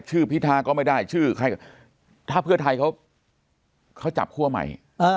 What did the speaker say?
ชื่อพิธาก็ไม่ได้ชื่อใครก็ไม่ได้ถ้าเพื่อไทยเขาจับคั่วใหม่